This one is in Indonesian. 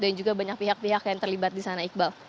dan juga banyak pihak pihak yang terlibat di sana